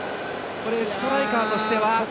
ストライカーとしては？